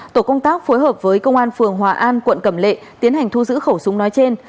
tổ công tác phối hợp với công an phường hòa an quận cẩm lệ tiến hành thu giữ khẩu súng nói trên